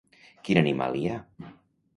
Quin animal hi ha?